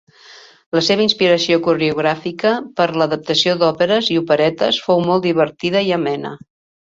La seva inspiració coreogràfica per l'adaptació d'òperes i operetes fou molt divertida i amena.